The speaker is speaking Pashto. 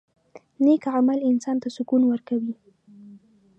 • نیک عمل انسان ته سکون ورکوي.